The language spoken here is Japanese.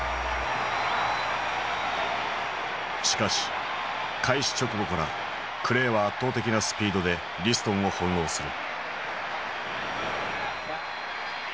しかし開始直後からクレイは圧倒的なスピードでリストンを翻弄する。